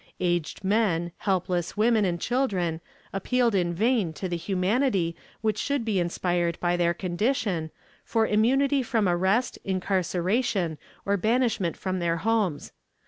Aged men, helpless women and children appealed in vain to the humanity which should be inspired by their condition, for immunity from arrest, incarceration, or banishment from their homes.